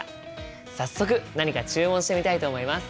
早速何か注文してみたいと思います！